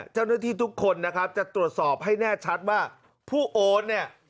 เจ้าหน้าที่ทุกคนนะครับจะตรวจสอบให้แน่ชัดว่าผู้โอนเนี่ย